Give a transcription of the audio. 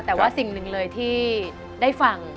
แต่ว่าสิ่งหนึ่งเลยที่ได้ฟัง